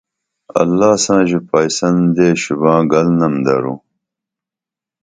اللہ ساں ژوپائیسن لے شُباں گل نم درو